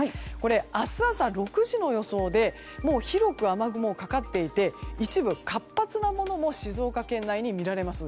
明日朝６時の予想で広く雨雲がかかっていて一部、活発なものも静岡県内に見られます。